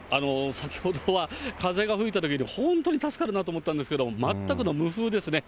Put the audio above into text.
先ほどは風が吹いただけで本当に助かるなと思ったんですけど、全くの無風ですね。